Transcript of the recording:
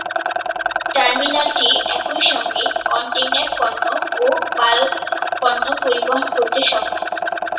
টার্মিনালটি একই সঙ্গে কনটেইনার পণ্য ও বাল্ক পণ্য পরিবহন করতে সক্ষম।